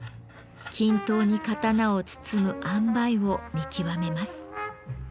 均等に刀を包むあんばいを見極めます。